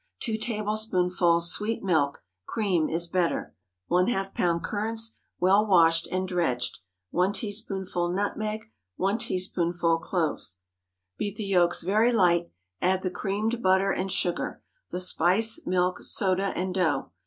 2 tablespoonfuls sweet milk—cream is better. ½ lb. currants, well washed and dredged. 1 teaspoonful nutmeg. 1 teaspoonful cloves. Beat the yolks very light, add the creamed butter and sugar, the spice, milk, soda, and dough.